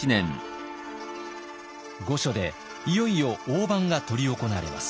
御所でいよいよ飯が執り行われます。